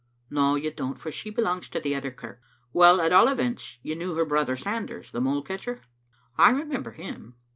No, you don't, for she be longs to the other kirk. Well, at all events, you knew her brother, Sanders, the mole catcher?" " I remember him.